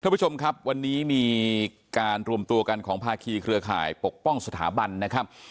ผู้ชมครับวันนี้มีการรวมตัวกันของภาคีเครือข่ายปกป้องสถาบันนะครับ